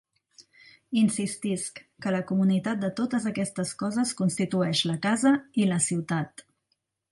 Insistisc que la comunitat de totes aquestes coses constitueix la casa i la ciutat.